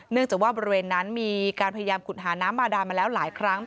จากว่าบริเวณนั้นมีการพยายามขุดหาน้ำมาดามาแล้วหลายครั้ง